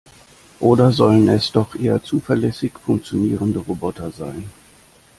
Oder sollen es doch eher zuverlässig funktionierende Roboter sein?